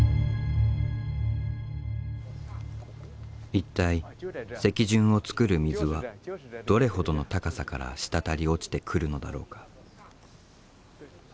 一体石筍をつくる水はどれほどの高さから滴り落ちてくるのだろうか。